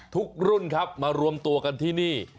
รุ่นครับมารวมตัวกันที่นี่